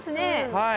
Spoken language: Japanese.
はい。